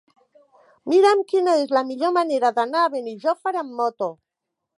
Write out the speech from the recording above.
Mira'm quina és la millor manera d'anar a Benijòfar amb moto.